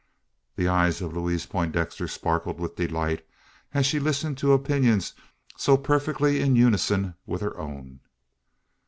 The eyes of Louise Poindexter sparkled with delight as she listened to opinions so perfectly in unison with her own.